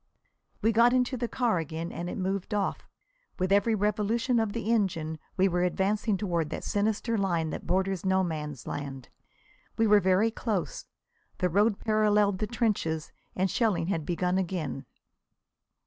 We got into the car again and it moved off. With every revolution of the engine we were advancing toward that sinister line that borders No Man's Land. We were very close. The road paralleled the trenches, and shelling had begun again.